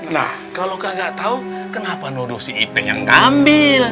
nah kalau kagak tau kenapa nuduh si ip yang ngambil